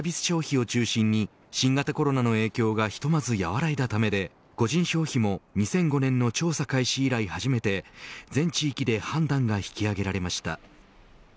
消費を中心に新型コロナの影響がひとまず和らいだため個人消費も２００５年の調査開始以来初めて全地域で判断が引き上げられました。